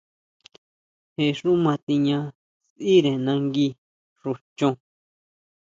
Je xú matiña sʼíre nangui xu chon.